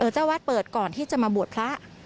เจ้าวัดเปิดก่อนที่จะมาบวชพระ